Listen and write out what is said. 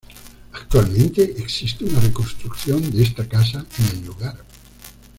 Actualmente existe una reconstrucción de esta casa en el lugar.